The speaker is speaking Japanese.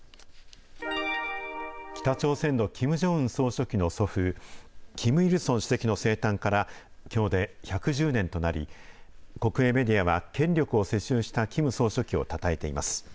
北朝鮮のキム・ジョンウン総書記の祖父、キム・イルソン主席の生誕からきょうで１１０年となり、国営メディアは、権力を世襲したキム総書記をたたえています。